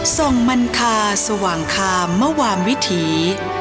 ส่งมันคาสว่างคามมวามวิถี